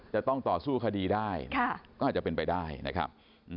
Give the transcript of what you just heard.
จะต้องต่อสู้คดีได้ก็อาจจะเป็นไปได้นะครับ